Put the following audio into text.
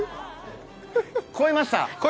越えました。